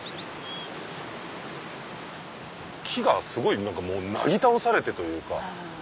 木がすごい何かもうなぎ倒されてというか。